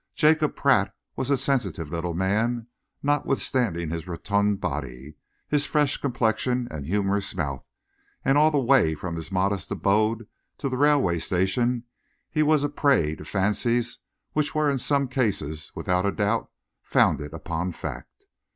Jacob Pratt was a sensitive little man, notwithstanding his rotund body, his fresh complexion and humorous mouth; and all the way from his modest abode to the railway station, he was a prey to fancies which were in some cases, without a doubt, founded upon fact.